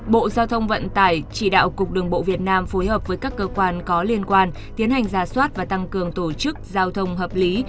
bộ giao thông vận tải chỉ đạo cục đường bộ việt nam phối hợp với các cơ quan có liên quan tiến hành ra soát và tăng cường tổ chức giao thông hợp lý